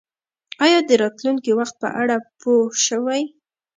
ایا د راتلونکي وخت په اړه پوه شوئ؟